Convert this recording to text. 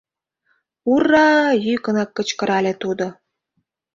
— Ур-ра!.. — йӱкынак кычкырале тудо.